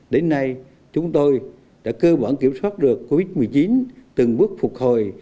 đến nay chúng tôi đã cơ bản kiểm soát được covid một mươi chín từng bước phục hồi